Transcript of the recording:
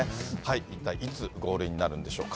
一体いつゴールインになるんでしょうか。